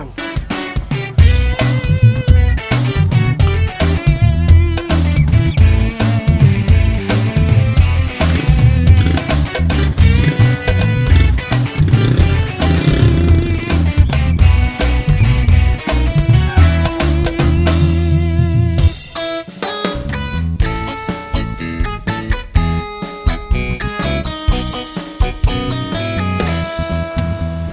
sampai jumpa lagi